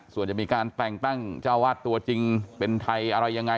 ส่วนจะมีการแต่งตั้งเจ้าวาดตัวจริงเป็นไทยอะไรยังไง